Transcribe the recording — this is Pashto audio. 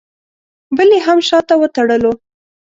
بل یې هم شاته وتړلو.